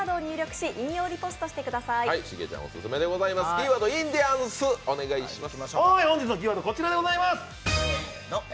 キーワード、インディアンス、お願いします。